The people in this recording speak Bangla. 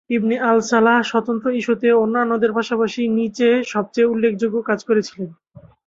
ইবনে আল সালাহ স্বতন্ত্র ইস্যুতে অন্যান্যদের পাশাপাশি নীচে সবচেয়ে উল্লেখযোগ্য কাজ করেছিলেন।